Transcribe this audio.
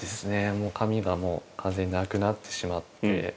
もう髪がもう完全になくなってしまって。